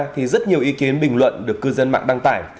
thì rất nhiều ý kiến bình luận được cư dân mạng đăng tải